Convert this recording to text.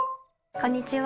こんにちは。